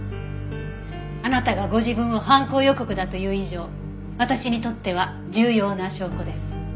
あなたがご自分を犯行予告だと言う以上私にとっては重要な証拠です。